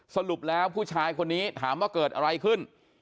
สรุปแล้วผู้ชายคนนี้ถามว่าเกิดอะไรขึ้น